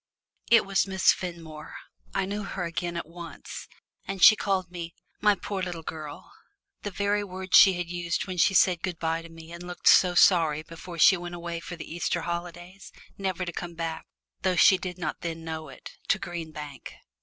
It was Miss Fenmore. I knew her again at once. And she called me "my poor little girl" the very words she had used when she said good bye to me and looked so sorry before she went away for the Easter holidays, never to come back, though she did not then know it, to Green Bank.